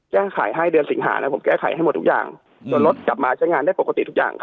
แก้ไขให้เดือนสิงหานะครับแก้ไขให้หมดทุกอย่าง